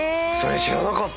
知らなかった！